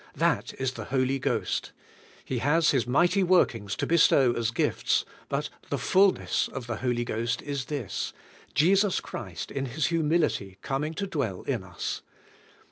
That is the Holy Ghost. He has CHRIST S HUMILITY OUR SALVATIOiV 05 His mighty workings to bestow as gifts; but the fullness of the Holy Ghost is this: Jesus Christ in His humility coming to dwell in us.